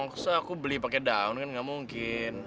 kok seh aku beli pake daun kan gak mungkin